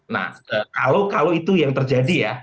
nah kalau kalau itu yang terjadi ya